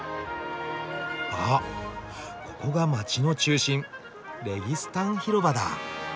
あここが街の中心「レギスタン広場」だ。